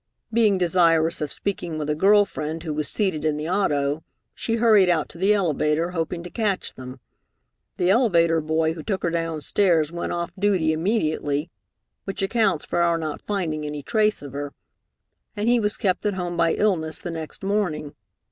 Being desirous of speaking with a girl friend who was seated in the auto, she hurried out to the elevator, hoping to catch them. The elevator boy who took her down stairs went off duty immediately, which accounts for our not finding any trace of her, and he was kept at home by illness the next morning.